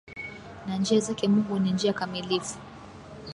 Na njia zake mungu ni njia kamilifu.